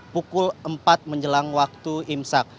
pukul empat menjelang waktu imsak